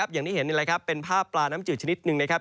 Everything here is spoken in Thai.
อย่างที่เห็นเป็นภาพปลาน้ำจืดชนิดหนึ่งนะครับ